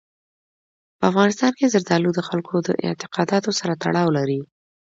په افغانستان کې زردالو د خلکو د اعتقاداتو سره تړاو لري.